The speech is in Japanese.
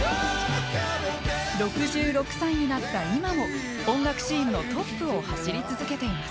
６６歳になった今も音楽シーンのトップを走り続けています。